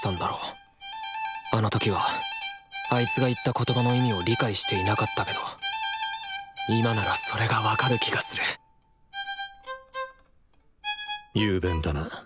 あの時はあいつが言った言葉の意味を理解していなかったけど今ならそれが分かる気がする雄弁だな。